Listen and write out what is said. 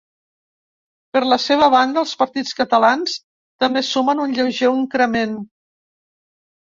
Per la seva banda els partits catalans, també sumen un lleuger increment.